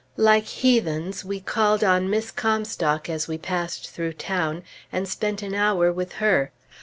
Like heathens, we called on Miss Comstock as we passed through town, and spent an hour with her.